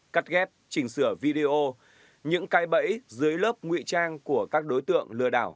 cắt ghép chỉnh sửa video những cái bẫy dưới lớp nguy trang của các đối tượng lừa đảo